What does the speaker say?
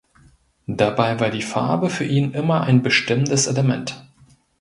Dabei war die Farbe für ihn immer ein bestimmendes Element.